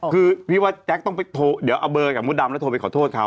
คือพี่ว่าแจ๊คต้องไปโทรเดี๋ยวเอาเบอร์กับมดดำแล้วโทรไปขอโทษเขา